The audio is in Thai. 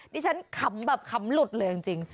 ดิฉันขำแบบขำหลุดเลยจริง